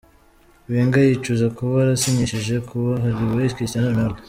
Wenger yicuza kuba arasinyishije kabuhariwe Cristiano Ronaldo.